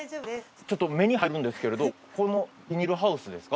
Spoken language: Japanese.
ちょっと目に入るんですけれどこのビニールハウスですか。